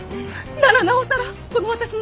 ならなおさらこの私に。